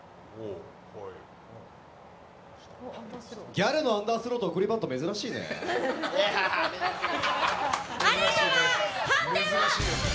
ギャルのアンダースローと送りバントアレン様、判定は？